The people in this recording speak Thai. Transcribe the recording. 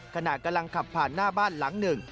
ขณะกำลังขับผ่านหน้าบ้านหลังหนึ่ง